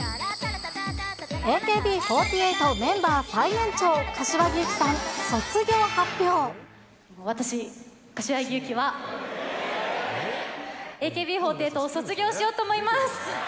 ＡＫＢ４８メンバー最年長、私、柏木由紀は、ＡＫＢ４８を卒業しようと思います。